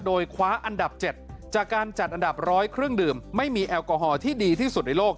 โดยคว้าอันดับ๗จากการจัดอันดับ๑๐๐เครื่องดื่มไม่มีแอลกอฮอล์ที่ดีที่สุดในโลก